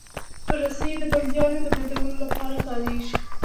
رسۍ د بندیانو د بندولو لپاره کارېږي.